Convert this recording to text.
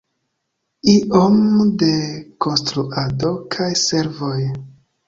Iom da konstruado kaj servoj.